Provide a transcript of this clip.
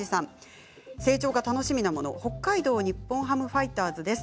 成長が楽しみなもの北海道日本ハムファイターズです。